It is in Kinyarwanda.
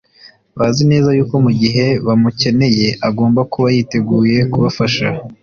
bazi neza yuko mu gihe bamukeneye, Agomba kuba yiteguye kubafasha